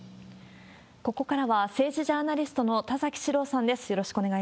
ここからは、政治ジャーナリストの田崎史郎さんです。